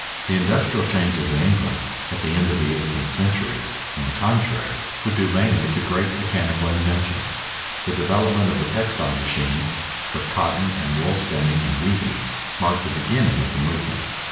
The industrial changes in England at the end of the eighteenth century on the contrary were due mainly to great mechanical inventions. The development of the textile machines for cotton and wool spinning and weaving mark the beginning of the movement.